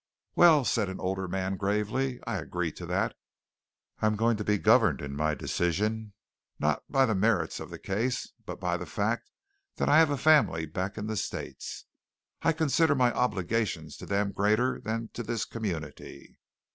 "Well," said an older man gravely, "I agree to that. I am going to be governed in my decision not by the merits of the case, but by the fact that I have a family back in the States. I consider my obligations to them greater than to this community."